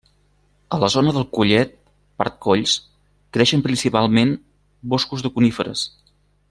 A la zona del Collet part Colls creixen principalment boscos de coníferes.